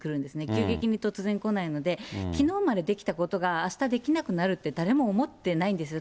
急激に突然来ないので、きのうまでできたことがあしたできなくなるって、誰も思ってないんですよ。